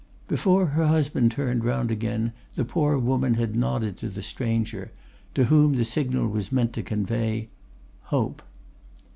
"Before her husband turned round again the poor woman had nodded to the stranger, to whom the signal was meant to convey, 'Hope.